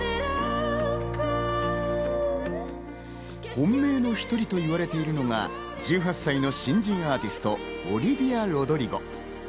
本命の１人と言われているのが１８歳の新人アーティスト、オリヴィア・ロドリゴ。